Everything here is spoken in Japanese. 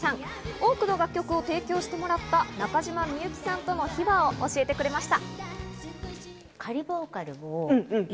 多くの楽曲を提供してもらった中島みゆきさんとの秘話を教えてくれました。